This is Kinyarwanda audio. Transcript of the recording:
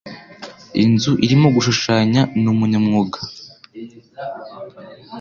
Inzu irimo gushushanya numunyamwuga.